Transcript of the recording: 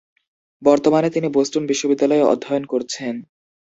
বর্তমানে তিনি বোস্টন বিশ্ববিদ্যালয়ে অধ্যয়ন করছেন।